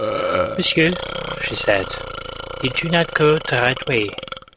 "Monsieur," she said, "you do not go the right way."